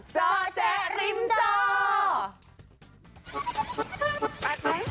เจ้าแจ๊กริมจอ